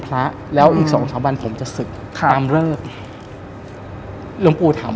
พระแล้วอีกสองสามวันผมจะศึกค่ะตามเลิกหลวงปู่ถาม